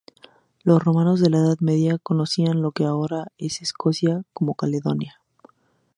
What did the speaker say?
Los romanos en la Edad Media conocían lo que ahora es Escocia como Caledonia.